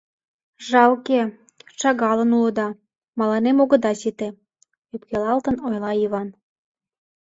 — Жалке, шагалын улыда, мыланем огыда сите, — ӧпкелалтын ойла Йыван.